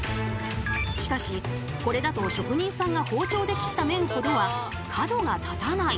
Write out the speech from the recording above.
しかしこれだと職人さんが包丁で切った麺ほどは角が立たない。